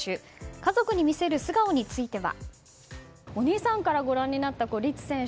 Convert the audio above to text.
家族に見せる素顔については。